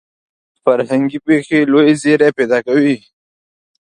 فرهنګي پېښې لوی زیری پیدا کوي.